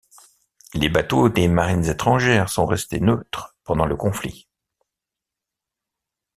Les bateaux des marines étrangères sont restés neutres pendant le conflit.